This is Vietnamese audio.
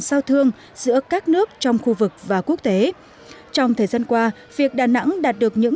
giao thương giữa các nước trong khu vực và quốc tế trong thời gian qua việc đà nẵng đạt được những